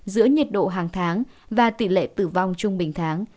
giữa nhiệt độ hàng tháng và tỷ lệ tử vong trung bình tháng